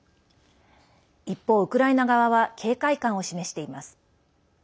一方、ウクライナ側は警戒感を示しています。